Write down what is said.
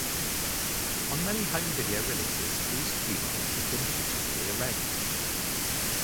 On many home video releases these cue marks have been digitally erased.